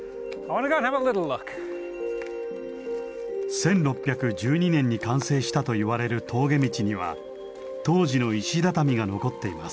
１６１２年に完成したといわれる峠道には当時の石畳が残っています。